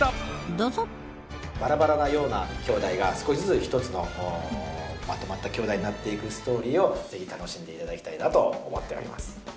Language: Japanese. どうぞバラバラなような兄弟が少しずつ１つのまとまった兄弟になって行くストーリーをぜひ楽しんでいただきたいなと思っております。